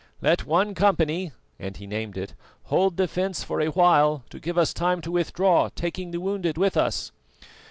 Let one company," and he named it, "hold the fence for a while to give us time to withdraw, taking the wounded with us."